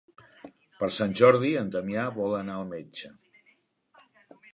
Per Sant Jordi en Damià vol anar al metge.